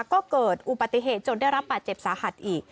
ก็เกิดอุบัติเหตุจนได้รับบาดเจ็บสาหัสอีก